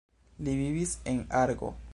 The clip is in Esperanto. Li vivis en Argo.